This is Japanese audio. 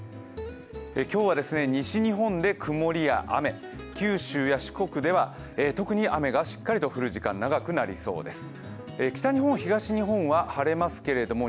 今日は西日本で曇りや雨、九州や四国では、特に雨がしっかり降る時間長くなりそうです。